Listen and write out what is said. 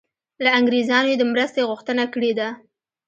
له انګریزانو یې د مرستې غوښتنه کړې ده.